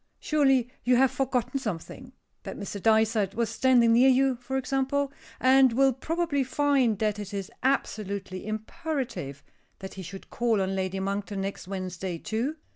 Surely you have forgotten something. That Mr. Dysart was standing near you, for example, and will probably find that it is absolutely imperative that he should call on Lady Monkton next Wednesday, too.